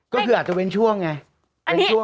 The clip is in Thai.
ก็คืออาจจะเว้นช่วงไง